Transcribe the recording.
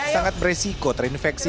sangat beresiko terinfeksi